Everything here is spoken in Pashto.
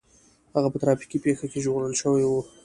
هغه په ټرافيکي پېښه کې ژغورل شوی و